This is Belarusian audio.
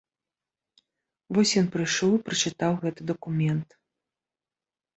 Вось ён прыйшоў і прачытаў гэты дакумент.